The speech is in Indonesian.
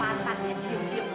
hei nih tempatan yang cium cium